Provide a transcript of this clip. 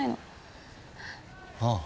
ああ。